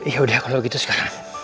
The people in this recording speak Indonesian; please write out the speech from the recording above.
yaudah kalau gitu sekarang